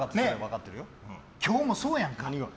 今日もそうやんか。